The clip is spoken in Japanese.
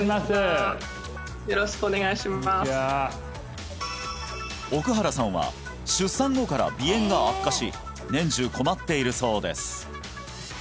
こんにちは奥原さんは出産後から鼻炎が悪化し年中困っているそうです